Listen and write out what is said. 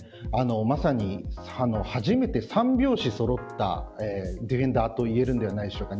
まさに、初めて三拍子そろったディフェンダーといえるのではないでしょうか。